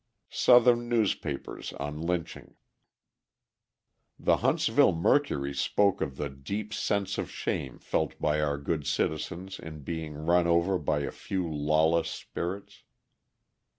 Southern Newspapers on Lynching The Huntsville Mercury spoke of the "deep sense of shame felt by our good citizens in being run over by a few lawless spirits."